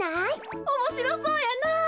おもしろそうやなあ。